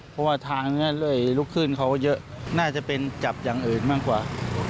เพราะว่าทางนี้เลยลุกขึ้นเขาเยอะน่าจะเป็นจับอย่างอื่นมากกว่า